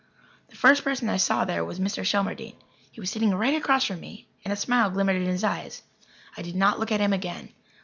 The first person I saw there was Mr. Shelmardine. He was sitting right across from me and a smile glimmered in his eyes. I did not look at him again.